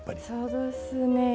そうどすね。